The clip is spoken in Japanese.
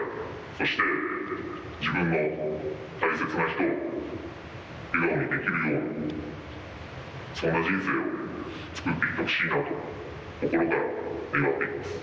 そして、自分の大切な人を笑顔にできるように、そんな人生を作っていってほしいなと心から願っています。